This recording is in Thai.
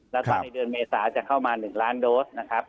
แล้วก็ในเดือนเมษาจะเข้ามา๑ล้านโดสนะครับ